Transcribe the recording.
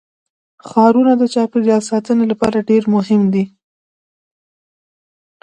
ښارونه د چاپیریال ساتنې لپاره ډېر مهم دي.